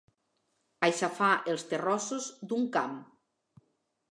Aixafar els terrossos d'un camp.